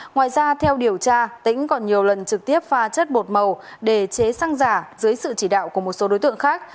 ngoài ra theo điều tra tính còn nhiều lần trực tiếp pha chất bột màu để chế xăng giả dưới sự chỉ đạo của một số đối tượng khác